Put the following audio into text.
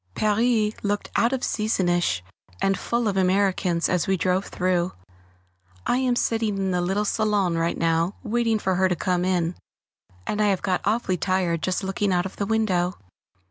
Paris looked out of seasonish and full of Americans as we drove through. I am sitting in the little salon now, waiting for her to come in, and I have got awfully tired just looking out of the window.